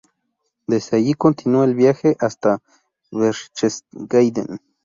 Desde allí continuó el viaje hasta Berchtesgaden.